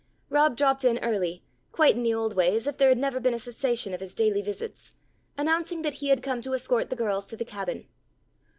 Rob dropped in early, quite in the old way as if there had never been a cessation of his daily visits, announcing that he had come to escort the girls to the Cabin.